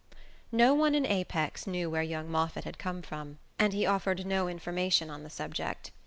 No one in Apex knew where young Moffatt had come from, and he offered no information on the subject.